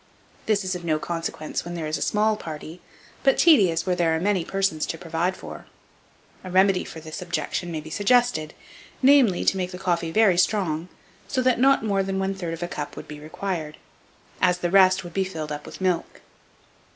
This is of no consequence where there is a small party, but tedious where there are many persons to provide for. A remedy for this objection may be suggested; namely, to make the coffee very strong, so that not more than 1/3 of a cup would be required, as the rest would be filled up with milk.